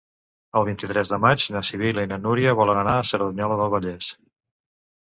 El vint-i-tres de maig na Sibil·la i na Núria volen anar a Cerdanyola del Vallès.